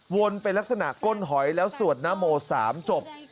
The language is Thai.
วนเป็นลักษณะก้นหอยแล้วสวดนโม๓จบ